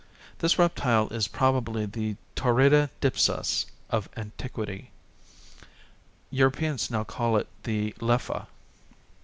This reptile is probably the torrida dipsas of antiquity. Europeans now call it the leffah.